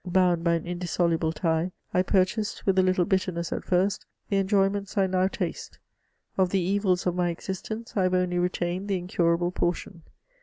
Bound by an indissoluble tie, I purchased, with a Uttle bitterness at first, the enjoyments I now taste. Of the evils of my existence I have only retained the incurable portion.